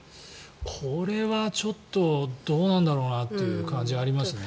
これはちょっとどうなんだろうなという感じがありますね。